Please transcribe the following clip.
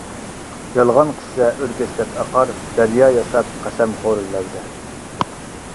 يالغان قىسسە ئۆركەشلەپ ئاقار، دەريا ياساپ قەسەمخور لەۋدە.